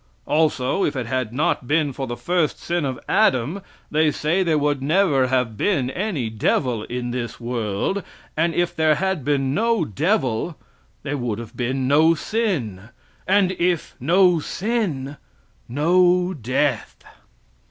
Also, if it had not been for the first sin of Adam, they say there would never have been any Devil, in this world, and if there had been no Devil, there would have been no sin, and if no sin, no death.